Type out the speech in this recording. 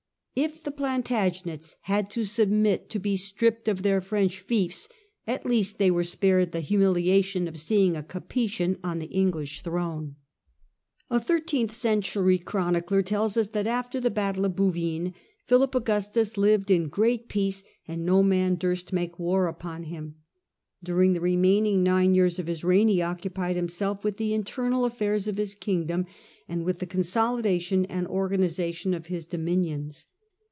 If the Plan tagents had to submit to be stripped of their French fiefs, at least they were spared the humiliation of seeing a Capetian on the English throne. Internal A thirtcenth century chronicler tells us that after the melt^of battle of Bouvines, Philip Augustus lived in great peace and Philip II. jjQ jjjan durst make war upon him. During the remaining nine years of his reign he occupied himself with the internal affairs of his kingdom, and with the consolidation and organization of his dominions.